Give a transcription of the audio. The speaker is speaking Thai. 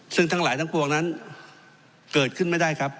ซึ่งทั้งหลายทั้งปวงนั้นเกิดขึ้นไม่ได้ครับ